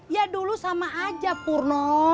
ya dulu sama aja purno